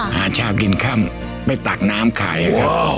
หาเช้ากินค่ำไปตักน้ำขายครับ